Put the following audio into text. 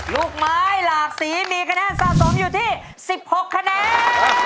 ลูกไม้หลากสีมีคะแนนสะสมอยู่ที่๑๖คะแนน